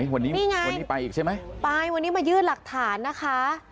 วันนี้ไปอีกใช่ไหมนี่ไงไปวันนี้มายื่นหลักฐานนะคะ